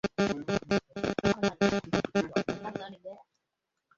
হ্যাঁঁ আসতেছি দুঃখিত আপনি কী যেনো বলতেছেন?